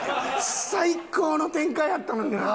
最高の展開やったのにな。